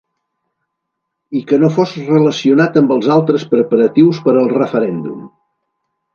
I que no fos relacionat amb els altres preparatius per al referèndum.